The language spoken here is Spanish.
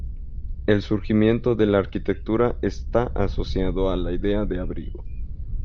El surgimiento de la arquitectura está asociado a la idea de abrigo.